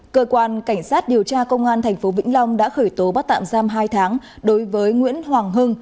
cơ quan cảnh sát điều tra công an tp vĩnh long đã khởi tố bắt tạm giam hai tháng đối với nguyễn hoàng hưng